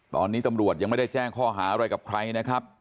ตอนนี้ตำรวจยังไม่ได้แจ้งข้อหาอะไรกับใครนะครับ